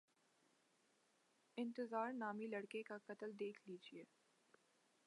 انتظار نامی لڑکے کا قتل دیکھ لیجیے۔